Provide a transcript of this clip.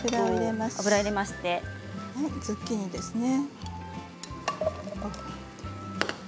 ズッキーニですね。